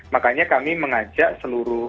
makanya kami mengajak seluruh